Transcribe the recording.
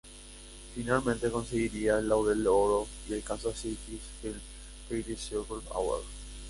Finalmente conseguiría el Laurel de Oro y el Kansas City Film Critics Circle Award.